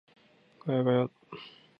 ガヤガヤ